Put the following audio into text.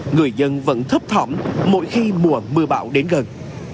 người dân vẫn thấp thỏm mỗi khi mùa mưa bão đến gần